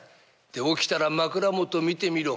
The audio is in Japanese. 起きたら枕元、見てみろ。